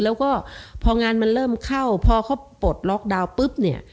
แล้วก็พองานมันเริ่มเข้าพอเขาปลดล็อกดาวน์ปุ๊บเนี่ย